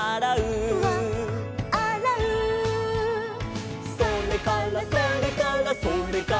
「それからそれからそれからそれから」